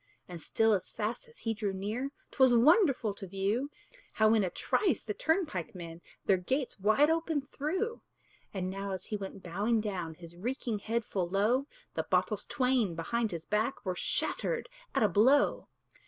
And still, as fast as he drew near, 'Twas wonderful to view, How in a trice the turnpike men Their gates wide open threw. And now, as he went bowing down His reeking head full low, The bottles twain behind his back Were shattered at a blow.